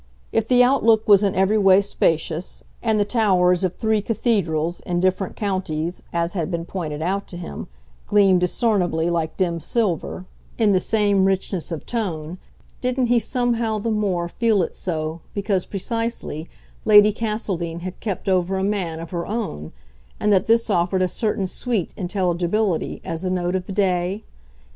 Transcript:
If the outlook was in every way spacious and the towers of three cathedrals, in different counties, as had been pointed out to him, gleamed discernibly, like dim silver, in the rich sameness of tone didn't he somehow the more feel it so because, precisely, Lady Castledean had kept over a man of her own, and that this offered a certain sweet intelligibility as the note of the day?